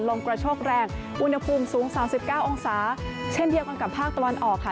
ลมกระโชกแรงอุณหภูมิสูง๓๙องศาเช่นเดียวกันกับภาคตะวันออกค่ะ